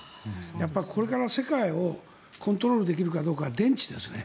やっぱり、これから世界をコントロールできるかどうかは電池ですね。